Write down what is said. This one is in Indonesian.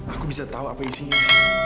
aku bisa tahu apa isinya